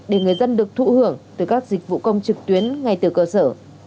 để người dân được thụ hưởng từ các dịch vụ công trực tuyến ngay từ cơ sở